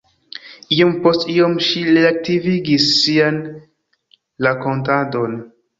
Iom post iom ŝi reaktivigis sian rakontadon: